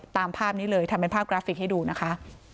ตามภาพนี้เลยทำเป็นภาพกราฟิกให้ดูนะคะ